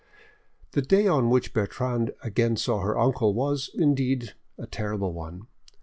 The day on which Bertrande again saw her uncle was, indeed, a terrible one.